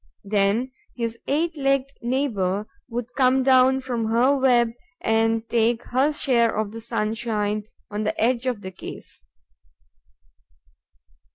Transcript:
Then his eight legged neighbour would come down from her web and take her share of the sunshine on the edge of the case.